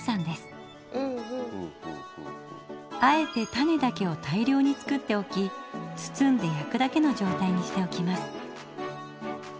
あえてタネだけを大量に作っておき包んで焼くだけの状態にしておきます。